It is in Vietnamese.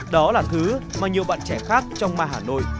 đó là thứ mà nhiều bạn trẻ khác trong ma hà nội